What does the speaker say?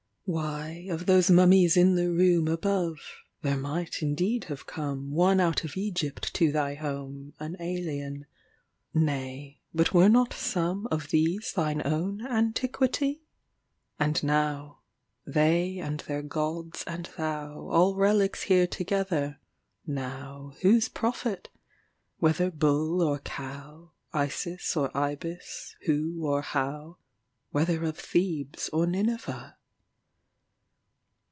Why, of those mummies in the roomAbove, there might indeed have comeOne out of Egypt to thy home, An alien. Nay, but were not someOf these thine own "antiquity"?And now,—they and their gods and thouAll relics here together,—nowWhose profit? whether bull or cow, Isis or Ibis, who or how, Whether of Thebes or Nineveh?